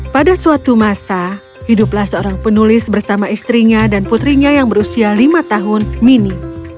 pada suatu masa hiduplah seorang penulis bersama istrinya dan putrinya yang berusia lima tahun mini